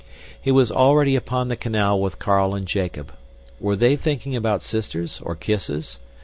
He was already upon the canal with Carl and Jacob. Were they thinking about sisters or kisses?